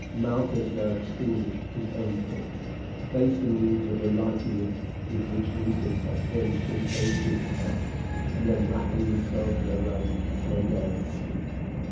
Malchus now extinguished his own torch, placed the means of relighting it with which Nessus had furnished him close to his hand, and then, wrapping himself in a rug, lay down to sleep.